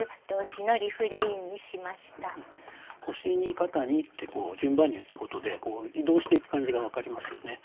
「肩に」って順番に言ったことで移動していく感じが分かりますよね。